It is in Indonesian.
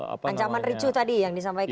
ancaman ricu tadi yang disampaikan